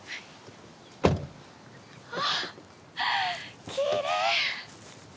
ああきれい。